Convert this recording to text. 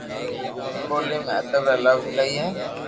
ٻولي ۾ ادب را لفظ ايلائي ھي